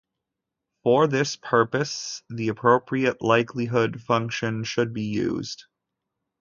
For this purpose, the approptiate likelihood function should be used.